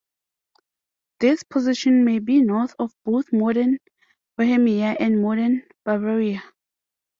This position may be north of both modern Bohemia and modern Bavaria.